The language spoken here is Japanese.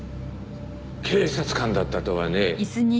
警察官だったとはね。